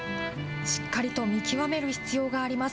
しっかりと見極める必要があります。